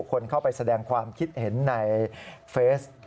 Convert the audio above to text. คนเข้าไปแสดงความคิดเห็นในเฟซ